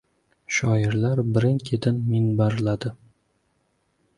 Shoirlar birin-ketin minbarladi.